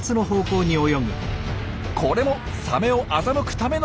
これもサメを欺くためのワザ。